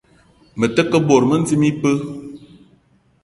Me te ke bot mendim ibeu.